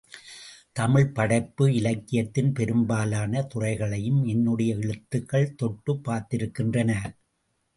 தமிழ்ப் படைப்பு இலக்கியத்தின் பெரும்பாலான துறைகளையும் என்னுடைய எழுத்துகள் தொட்டுப் பாத்திருக்கின்றன!